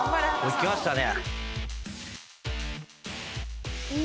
いきましたね。